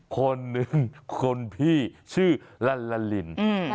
คนหนึ่งคนพี่ชื่อลัลลาลิน